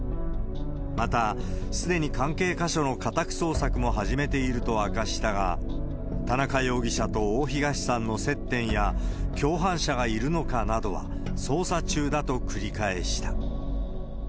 また、すでに関係箇所の家宅捜索も始めていると明かしたが、田中容疑者と大東さんの接点や、共犯者がいるかなどは捜査中だと繰り返した。